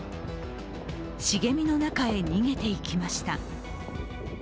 茂みの中へ逃げていきました。